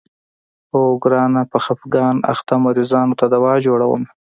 اوو ګرانه په خفګان اخته مريضانو ته دوا جوړومه.